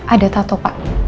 ada tatu pak